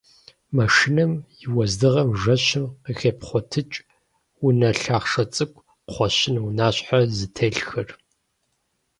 Машинэм и уэздыгъэм жэщым къыхепхъуэтыкӏ унэ лъахъшэ цӏыкӏу кхъуэщын унащхьэ зытелъхэр.